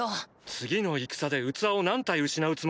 次の戦で器を何体失うつもりだ？